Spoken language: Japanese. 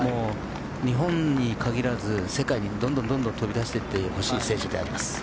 日本に限らず世界にどんどん飛び出していってほしい選手であります。